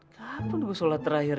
saya harus berdoa terakhir